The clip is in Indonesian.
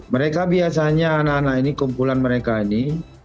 mereka biasanya anak anak ini kumpulan mereka ini